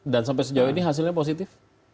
dan sampai sejauh ini hasilnya positif